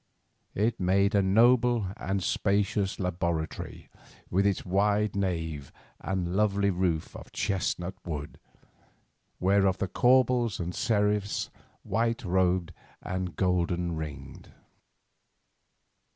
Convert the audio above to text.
It made a noble and spacious laboratory, with its wide nave and lovely roof of chestnut wood, whereof the corbels were seraphs, white robed and golden winged.